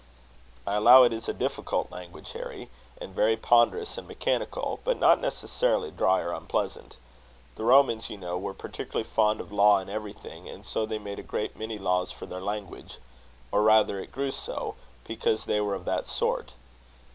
"I allow it is a difficult language, Harry; and very ponderous and mechanical; but not necessarily dry or unpleasant. The Romans, you know, were particularly fond of law in everything; and so they made a great many laws for their language; or rather, it grew so, because they were of that sort.